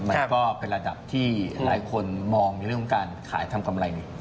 มันก็เป็นระดับที่หลายคนมองในเรื่องของการขายทำกำไร